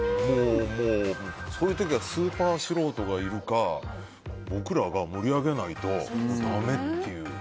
そういう時はスーパー素人がいるか僕らが盛り上げないとだめっていう。